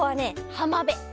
はまべ。